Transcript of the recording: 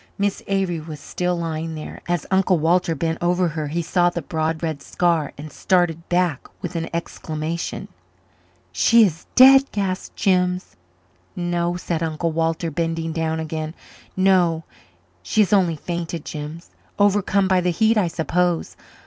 Miss Avery was still lying there. As Uncle Walter bent over her he saw the broad red scar and started back with an exclamation. "She is dead?" gasped Jims. "No," said Uncle Walter, bending down again "no, she has only fainted, Jims overcome by the heat, I suppose.